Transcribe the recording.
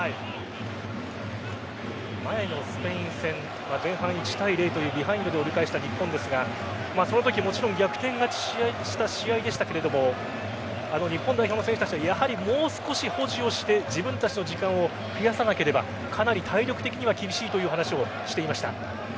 前のスペイン戦は前半、１対０というビハインドで折り返した日本ですがそのとき、もちろん逆転勝ちした試合でしたが日本代表の選手たちやはりもう少し保持をして自分たちの時間を増やさなければかなり体力的には厳しいという話をしていました。